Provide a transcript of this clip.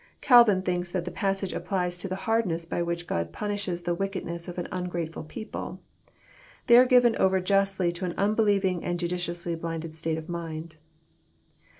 Calvin thinks that the passage applies to the hardness by which God punishes the wickedness of an ungratefhl people. They are given over Justly to an unbelieving and Judicially blinded state of mind.